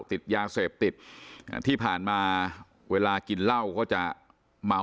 ติดยาเสพติดอ่าที่ผ่านมาเวลากินเหล้าก็จะเมา